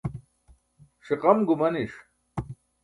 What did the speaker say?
ṣiqam gumaniṣ